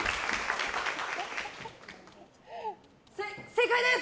正解です！